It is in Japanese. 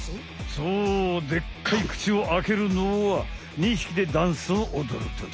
そうでっかい口をあけるのは２ひきでダンスをおどるとき。